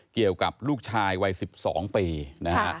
เกี่ยวกับลูกชายวัย๑๒ปีนะฮะ